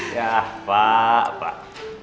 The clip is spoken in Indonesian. ya pak pak